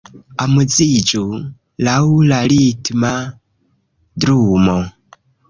Amuziĝu laŭ la ritma drumo